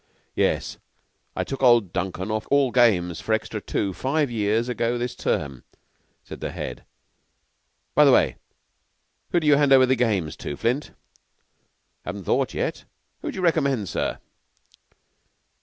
"Yes... And I took old Duncan off all games for extra tu five years ago this term," said the Head. "By the way, who do you hand over the Games to, Flint?" "Haven't thought yet. Who'd you recommend, sir?"